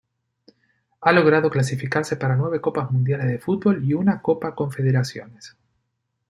Ha logrado clasificarse para nueve Copas Mundiales de Fútbol y una Copa Confederaciones.